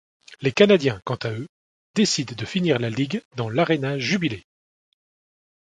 Les Canadiens, quant à eux, décident de finir la ligue dans l'Aréna Jubilée.